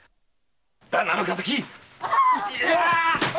「旦那の敵！」